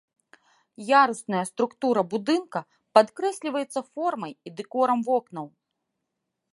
Ярусная структура будынка падкрэсліваецца формай і дэкорам вокнаў.